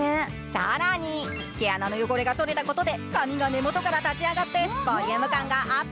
更に、毛穴の汚れがとれたことで髪が根元から立ち上がったことでボリューム感がアップ。